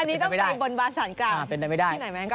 อันนี้ต้องไปบนบาสารกลาง